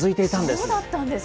そうだったんですか。